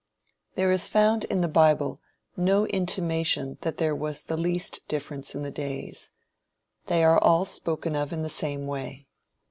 There is found in the bible no intimation that there was the least difference in the days. They are all spoken of in the same way.